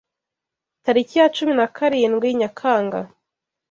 Tariki ya cumi na karindwi Nyakanga: